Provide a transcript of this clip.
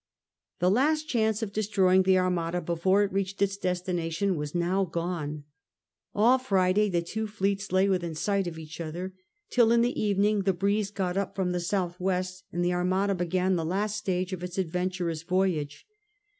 The last chance of destroying the Armada before it reached its destination was now gone. All Friday the two fleets lay within sight of each other, till in the evening the breeze got up from the south west^ and the Armada began the last stage of its adventurous voyage.